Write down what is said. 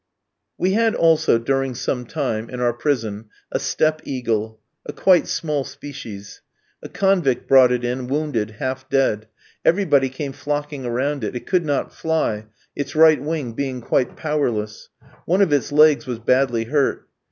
We had also, during some time, in our prison a steppe eagle; a quite small species. A convict brought it in, wounded, half dead. Everybody came flocking around it; it could not fly, its right wing being quite powerless; one of its legs was badly hurt.